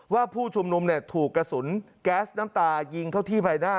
ผู้ชุมนุมเนี่ยถูกกระสุนแก๊สน้ำตายิงเข้าที่ใบหน้า